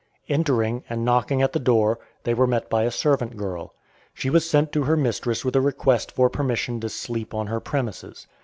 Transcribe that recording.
Entering, and knocking at the door, they were met by a servant girl. She was sent to her mistress with a request for permission to sleep on her premises.